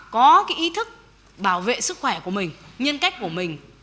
có cái ý thức bảo vệ sức khỏe của mình nhân cách của mình